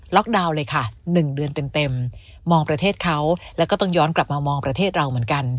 ดาวน์เลยค่ะ๑เดือนเต็มมองประเทศเขาแล้วก็ต้องย้อนกลับมามองประเทศเราเหมือนกัน